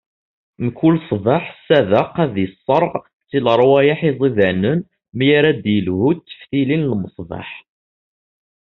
Mkul ṣṣbeḥ Sadeq ad isserɣ si lerwayeḥ iẓidanen, mi ara d-ilehhu d teftilin n lmeṣbaḥ.